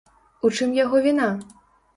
У чым яго віна?